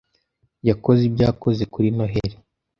Yakoze ibyo yakoze kuri Noheri